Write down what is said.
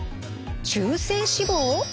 中性脂肪？